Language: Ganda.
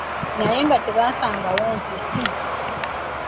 Naye nga tebasangawo mpisi.